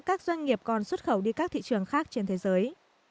các doanh nghiệp còn xuất khẩu đi các thị trường khác trên thế giới